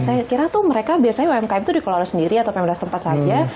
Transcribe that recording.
saya kira tuh mereka biasanya umkm itu dikelola sendiri atau enam belas tempat saja